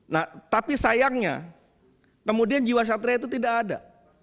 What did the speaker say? nah tapi sayangnya kemudian jiwa satria itu tidak ada